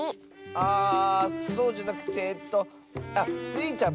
あそうじゃなくてえっとあっスイちゃん